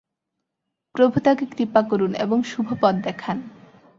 প্রভু তাঁকে কৃপা করুন এবং শুভপথ দেখান।